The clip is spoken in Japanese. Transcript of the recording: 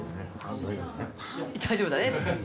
あっ大丈夫だね。